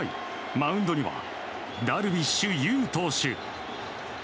マウンドにはダルビッシュ有投手。